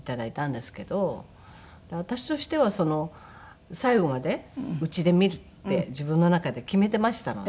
私としては最後まで家で見るって自分の中で決めていましたので。